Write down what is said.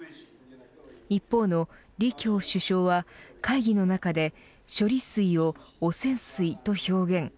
一方の李強首相は、会議の中で処理水を汚染水と表現。